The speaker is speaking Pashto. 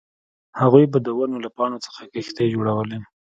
هغوی به د ونو له پاڼو څخه کښتۍ جوړولې